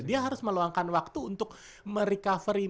dia harus meluangkan waktu untuk merecovery